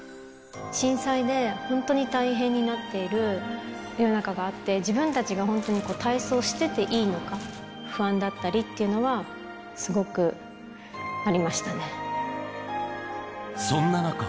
震災で本当に大変になっている世の中があって、自分たちが本当に体操してていいのか不安だったりっていうのは、そんな中。